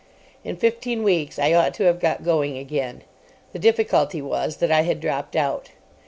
In fifteen weeks I ought to have got going again. The difficulty was that I had dropped out.